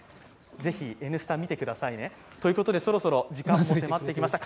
ぜひ「Ｎスタ」見てくださいね。ということでそろそろ時間も迫ってきました。